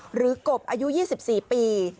หรือกบอายุ๒๔ปี